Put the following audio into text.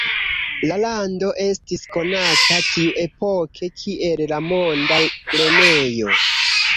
La lando estis konata tiuepoke kiel la "monda grenejo".